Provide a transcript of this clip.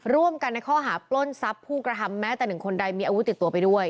ร่วมกันในข้อหาปล้นทรัพย์ผู้กระทำแม้แต่หนึ่งคนใดมีอาวุธติดตัวไปด้วย